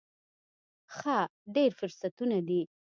ښه، ډیر فرصتونه دي